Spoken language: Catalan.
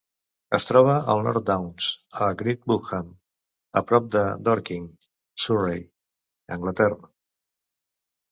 Es troba al North Downs a Great Bookham, a prop de Dorking, Surrey, Anglaterra.